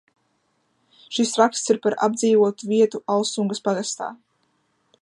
Šis raksts ir par apdzīvotu vietu Alsungas pagastā.